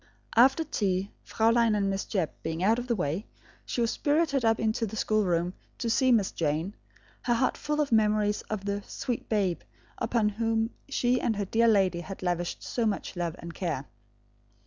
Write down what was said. After tea, Fraulein and Miss Jebb being out of the way, she was spirited up into the schoolroom to see Miss Jane, her heart full of memories of the "sweet babe" upon whom she and her dear lady had lavished so much love and care.